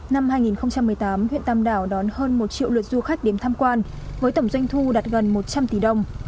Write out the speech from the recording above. năm hai nghìn một mươi tám huyện tam đảo đón hơn một triệu lượt du khách đến tham quan với tổng doanh thu đạt gần một trăm linh tỷ đồng